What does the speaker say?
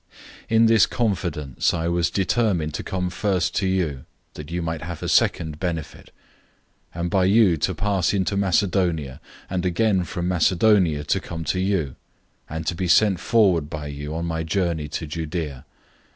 001:015 In this confidence, I was determined to come first to you, that you might have a second benefit; 001:016 and by you to pass into Macedonia, and again from Macedonia to come to you, and to be sent forward by you on my journey to Judea.